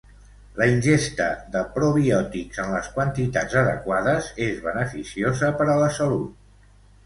La ingesta de probiòtics en les quantitats adequades és beneficiosa per a la salut.